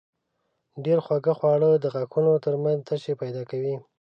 ډېر خوږ خواړه د غاښونو تر منځ تشې پیدا کوي.